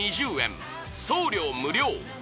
送料無料！